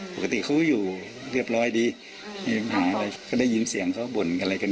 อืมปกติเขาอยู่เรียบร้อยดีไม่มีปัญหาอะไรเขาได้ยินเสียงเขาบ่นกันอะไรกัน